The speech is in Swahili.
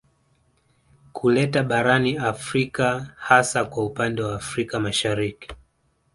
Kuleta barani Afrika hasa kwa upande wa Afrika Mashariki